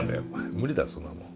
無理だよそんなもん。